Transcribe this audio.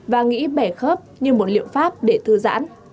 và nghĩ bẻ khớp như một liệu pháp để thư giãn